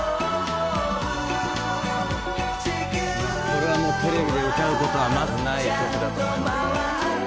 これはもうテレビで歌うことはまずない曲だと思いますね